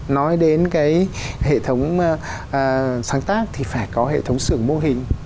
nói đến cái hệ thống sáng tác thì phải có hệ thống xưởng mô hình